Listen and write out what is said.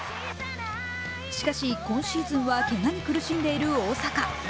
しかし、今シーズンはけがに苦しんでいる大坂。